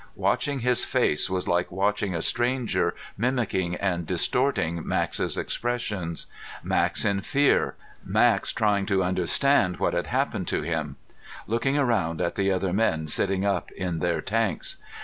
Watching his face was like watching a stranger mimicking and distorting Max's expressions. Max in fear. Max trying to understand what had happened to him, looking around at the other men sitting up in their tanks.